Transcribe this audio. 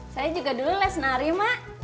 saya juga dulu les nari mak